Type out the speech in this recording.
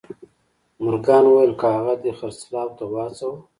مورګان وويل که هغه دې خرڅلاو ته وهڅاوه.